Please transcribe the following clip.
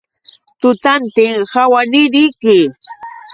Tutantin awaniriki.